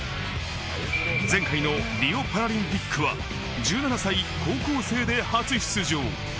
前回のリオパラリンピックは１７歳、高校生で初出場。